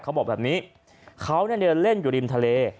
เขาบอกแบบนี้เขาเดินเล่นอยู่ริมทะเล